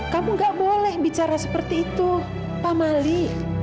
kamu gak boleh bicara seperti itu pak mali